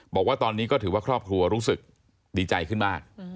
บอกว่าตอนนี้ก็ถือว่าครอบครัวรู้สึกดีใจขึ้นมาก